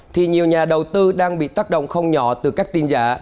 thì nhiều nhà đầu tư đang bị tác động không nhỏ từ các tin giả